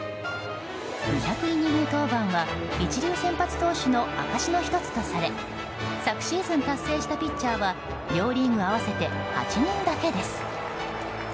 ２００イニング登板は一流先発投手の証しの１つとされ昨シーズン達成したピッチャーは両リーグ合わせて８人だけです。